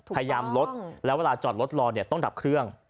พยายามลดแล้วเวลาจอดรถรอเนี่ยต้องดับเครื่อง